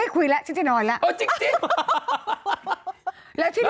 หัวครั้งช่างที่นี่